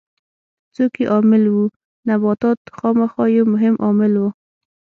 څوک یې عامل وو؟ نباتات خامخا یو مهم عامل و.